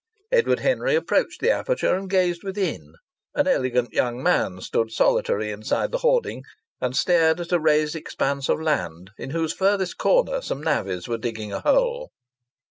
Edward Henry approached the aperture and gazed within. An elegant young man stood solitary inside the hoarding and stared at a razed expanse of land in whose furthest corner some navvies were digging a hole....